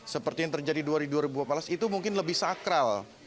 seperti yang terjadi di dua itu mungkin lebih sakral